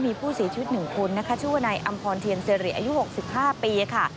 มีผู้เสียชีวิตหนึ่งคนชื่อวนายอำคอนเทียงเสรียอายุ๖๕ปีค่ะ